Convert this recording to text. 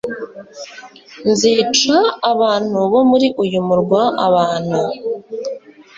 Nzica abantu bo muri uyu murwa abantu